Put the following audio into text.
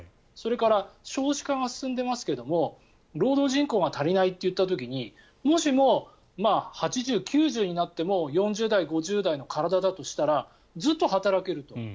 それから少子化が進んでいますが労働人口足りないといった時にもしも、８０歳、９０歳になっても４０代、５０代の体だとしたらずっと働けると。